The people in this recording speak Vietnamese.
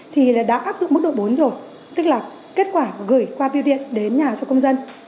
thì đã áp dụng mức độ bốn rồi tức là kết quả gửi qua biêu điện đến nhà cho công dân